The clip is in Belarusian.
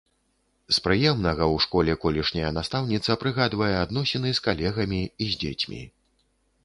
З прыемнага ў школе колішняя настаўніца прыгадвае адносіны з калегамі і з дзецьмі.